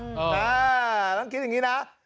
ต้องคิดอย่างนี้นะ